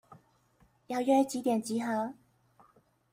要約幾點集合？